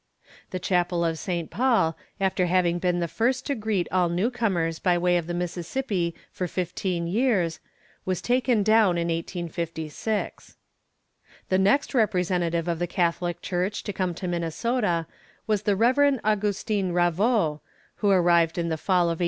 The chapel of Saint Paul, after having been the first to greet all newcomers by way of the Mississippi for fifteen years, was taken down in 1856. The next representative of the Catholic church to come to Minnesota was the Rev. Augustin Ravoux, who arrived in the fall of 1841.